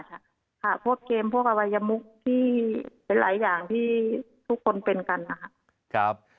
ใช่ค่ะพวกเกมพวกอวัยมุกที่หลายอย่างที่ทุกคนเป็นกัน